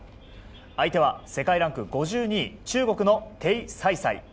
相手は世界ランク５２位中国のテイ・サイサイ。